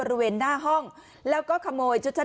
อืม